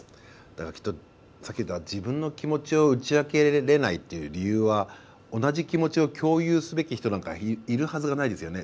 きっと、さっき言った自分の気持ちを打ち明けられないという理由は同じ気持ちを共有すべき人なんているはずがないですよね。